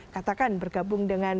katakan bergabung dengan